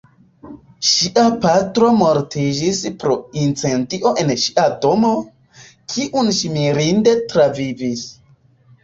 Ŝia patro mortiĝis pro incendio en ŝia domo, kiun ŝi mirinde travivis.